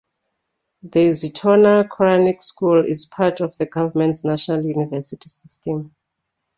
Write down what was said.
The Zeitouna Koranic School is part of the Government's national university system.